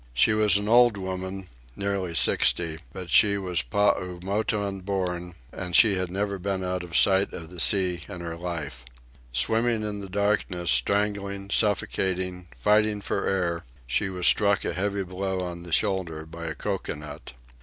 She was an old woman nearly sixty; but she was Paumotan born, and she had never been out of sight of the sea in her life. Swimming in the darkness, strangling, suffocating, fighting for air, she was struck a heavy blow on the shoulder by a cocoanut.